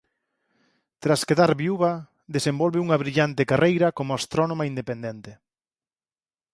Tras quedar viúva desenvolve unha brillante carreira como astrónoma independente.